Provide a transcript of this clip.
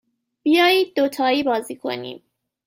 بیایید دوتایی بازی کنیم.